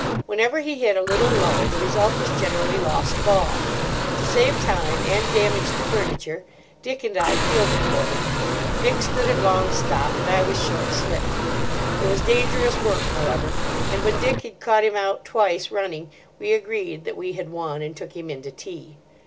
Whenever he hit a little low the result was generally lost ball. To save time—and damage to furniture—Dick and I fielded for him. Dick stood at long stop, and I was short slip. It was dangerous work, however, and when Dick had caught him out twice running, we agreed that we had won, and took him in to tea.